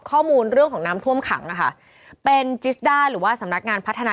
ข้อมูลเรื่องของน้ำท่วมขังนะคะเป็นจิสด้าหรือว่าสำนักงานพัฒนา